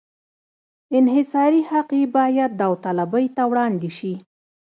انحصاري حق یې باید داوطلبۍ ته وړاندې شي.